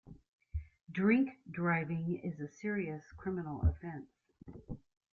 Drink-driving is a serious criminal offence